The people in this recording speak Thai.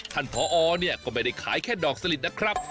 ผอเนี่ยก็ไม่ได้ขายแค่ดอกสลิดนะครับ